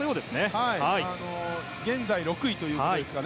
現在６位ということですね。